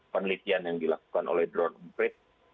penelitian yang dilakukan oleh drone and breach